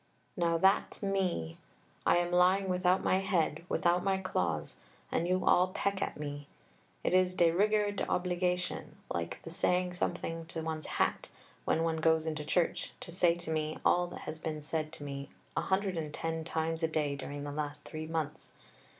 Now, that's me. I am lying without my head, without my claws, and you all peck at me. It is de rigueur, d'obligation, like the saying something to one's hat, when one goes into church, to say to me all that has been said to me 110 times a day during the last three months.